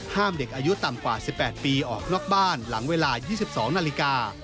เด็กอายุต่ำกว่า๑๘ปีออกนอกบ้านหลังเวลา๒๒นาฬิกา